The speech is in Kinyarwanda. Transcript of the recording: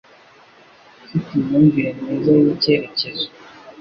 Ufite imyumvire myiza yicyerekezo.